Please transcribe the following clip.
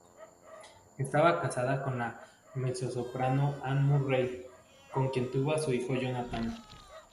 Estaba casado con la mezzosoprano Ann Murray con quien tuvo su hijo Jonathan.